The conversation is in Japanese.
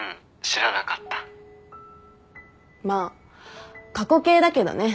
まあ過去形だけどね。